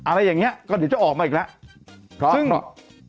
อะไรอย่างเนี่ยก็เดี๋ยวจะออกมาอีกแล้ว